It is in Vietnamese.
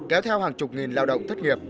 kéo theo hàng chục nghìn lao động thất nghiệp